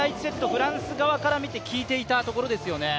フランス側から見て効いていたところですよね。